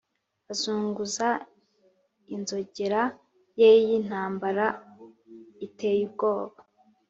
azunguza inzogera ye y'intambara iteye ubwoba,